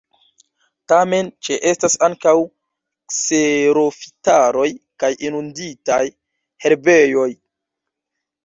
Tamen ĉeestas ankaŭ kserofitaroj kaj inunditaj herbejoj.